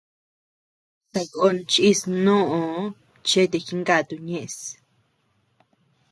Sakón chís nóʼoo chete jinkatu ñëʼes.